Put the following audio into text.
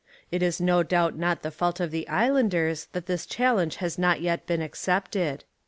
It is no doubt not the fault of the Islanders that this chal lenge has not yet been accepted.